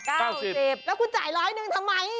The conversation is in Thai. แล้วคุณจ่าย๑๐๐บาททำไม